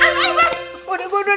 udah gue dengerin